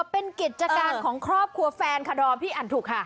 เป็นกิจการของครอบครัวแฟนค่ะดอมพี่อ่านถูกค่ะ